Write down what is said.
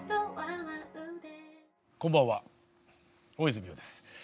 こんばんは大泉洋です。